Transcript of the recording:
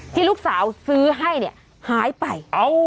ที่ลูกสาวซื้อให้เนี่ยหายไป